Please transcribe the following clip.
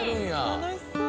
楽しそう！